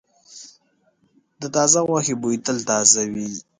د تازه غوښې بوی تل تازه وي.